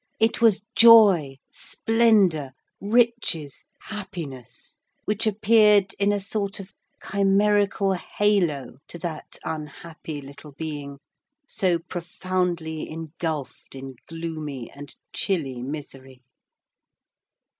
It was joy, splendor, riches, happiness, which appeared in a sort of chimerical halo to that unhappy little being so profoundly engulfed in gloomy and chilly misery.